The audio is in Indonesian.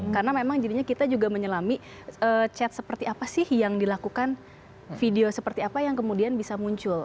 karena memang jadinya kita juga menyelami chat seperti apa sih yang dilakukan video seperti apa yang kemudian bisa muncul